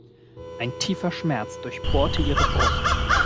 Ein tiefer Schmerz durchbohrte ihre Brust.